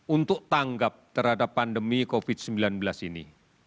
untuk tanggap terhadap pandemi covid sembilan belas ini